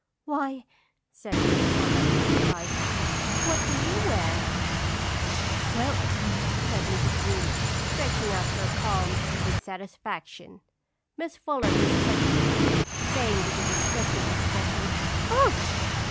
"Why," said Miss Fuller, in surprise, "what do you wear?" "Silk," said Mrs. Greeley, stretching out her palm with satisfaction. Miss Fuller just touched it, saying, with a disgusted expression, "Ugh!